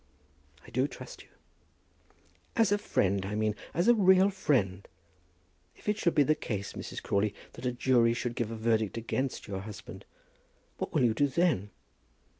"I do trust you." "As a friend, I mean; as a real friend. If it should be the case, Mrs. Crawley, that a jury should give a verdict against your husband, what will you do then?